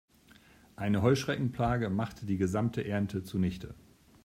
Eine Heuschreckenplage machte die gesamte Ernte zunichte.